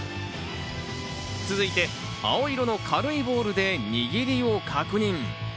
続いて青色の軽いボールで握りを確認。